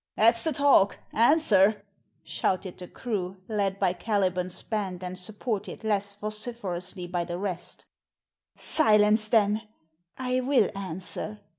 "That's the talk; answer!" shouted the crew, led by Caliban's band and supported less vociferously by the rest. "Silence, then; I will answer!"